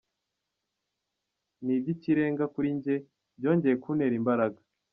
Ni iby’ikirenga kuri njye, byongeye kuntera imbaraga.